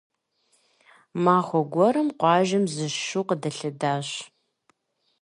Махуэ гуэрым къуажэм зы шу къыдэлъэдащ.